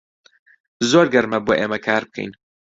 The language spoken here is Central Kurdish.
زۆر گەرمە بۆ ئێمە کار بکەین.